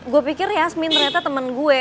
gue pikir yasmin ternyata temen gue